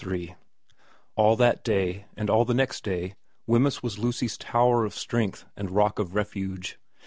m ALL that day and all the next day Wemyss was Lucy's tower of strength and rock of refuge.